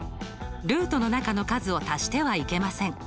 ルートの中の数を足してはいけません。